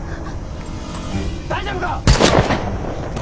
大丈夫か？